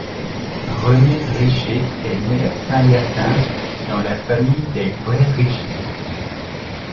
René Richer est né à Saint-Hyacinthe dans la famille des libraires Richer.